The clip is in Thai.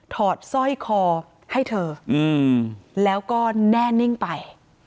อดสร้อยคอให้เธอแล้วก็แน่นิ่งไป